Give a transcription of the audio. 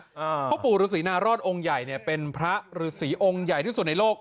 เพราะปู่ฤษีนารอดองค์ใหญ่เนี่ยเป็นพระฤษีองค์ใหญ่ที่สุดในโลก